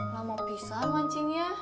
lama pisah mancingnya